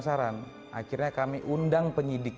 kalau kita mau jujur